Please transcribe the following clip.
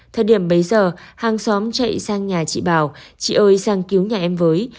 thời điểm bấy giờ hàng xóm chạy sang nhà chị bảo chị ơi sang cứu nhà em với